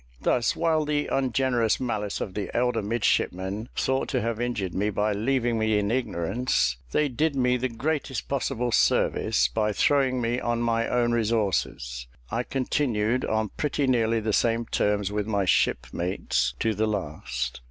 Thus, while the ungenerous malice of the elder midshipmen thought to have injured me by leaving me in ignorance, they did me the greatest possible service, by throwing me on my own resources. I continued on pretty nearly the same terms with my shipmates to the last.